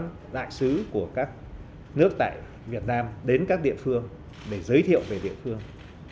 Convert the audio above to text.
các đại sứ của các nước tại việt nam đến các địa phương để giới thiệu về địa phương